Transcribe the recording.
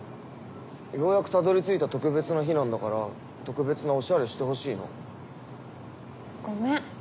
ようやくたどり着いた特別な日なんだから特別なオシャレしてほしいの。ごめん。